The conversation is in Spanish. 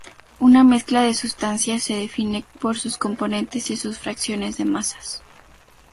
Una mezcla de sustancias se define por sus componentes y sus fracciones de masas.